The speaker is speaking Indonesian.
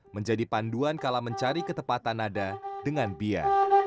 menjadi panduan kala mencari ketepatan nada dengan bia